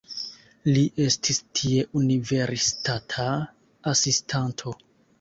Li estis tie universitata asistanto.